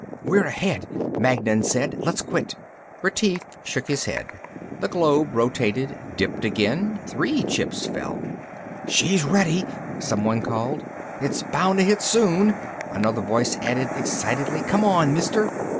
"We're ahead," Magnan said. "Let's quit." Retief shook his head. The globe rotated, dipped again; three chips fell. "She's ready," someone called. "It's bound to hit soon," another voice added excitedly. "Come on, Mister!"